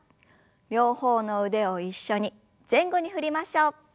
両方の腕を一緒に前後に振りましょう。